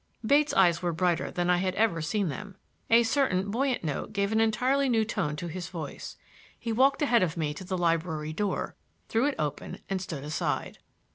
Bates' eyes were brighter than I had ever seen them. A certain buoyant note gave an entirely new tone to his voice. He walked ahead of me to the library door, threw it open and stood aside.